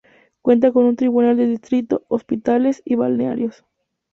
Cuenta con un tribunal de distrito, hospitales y balnearios.